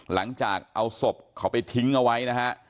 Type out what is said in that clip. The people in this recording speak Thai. หลังจากเอาศพเขาไปทิ้งเอาไว้นะฮะ